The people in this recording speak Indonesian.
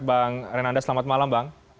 bang renanda selamat malam bang